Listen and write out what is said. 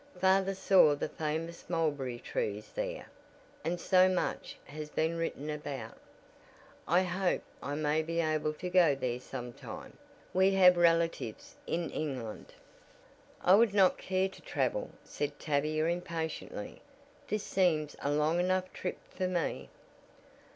Father saw the famous mulberry trees there, that so much has been written about. I hope I may be able to go there some time we have relatives in England." "I would not care to travel," said Tavia impatiently. "This seems a long enough trip for me."